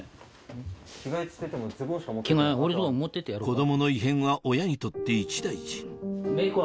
子供の異変は親にとって一大事